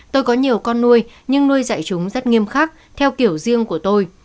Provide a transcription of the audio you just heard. tôi có nhiều con nuôi nhưng nuôi dạy chúng rất nghiêm khắc theo kiểu riêng của tôi